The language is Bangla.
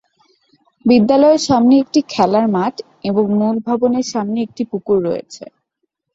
বিদ্যালয়ের সামনে একটি খেলার মাঠ এবং মূল ভবনের সামনে একটি পুকুর রয়েছে।